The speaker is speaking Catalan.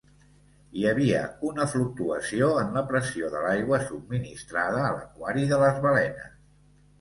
Hi havia una fluctuació en la pressió de l'aigua subministrada a l'aquari de les balenes.